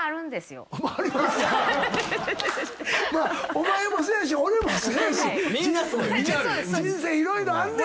お前もそやし俺もそやし人生色々あんねん。